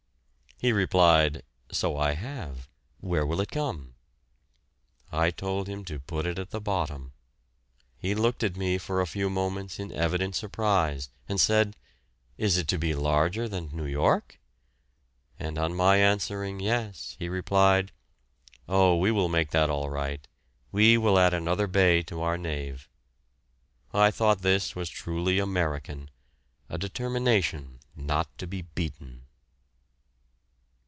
He replied, "So I have; where will it come?" I told him to put it at the bottom. He looked at me for a few moments in evident surprise, and said, "Is it to be larger than New York?" and on my answering "Yes" he replied, "Oh, we will make that all right; we will add another bay to our nave." I thought this was truly American, a determination not to be beaten.